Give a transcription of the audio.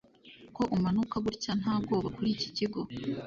ko umanuka gutya nta bwoba kuri iki kigo